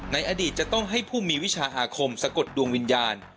ในอดีตจะต้องให้ผู้มีวิชาอาคมสะกดดวงวิญญาณ